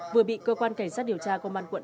vừa bị cơ quan cảnh sát điều tra công an quận